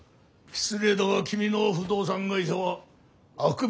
失礼だが君の不動産会社は悪名高い。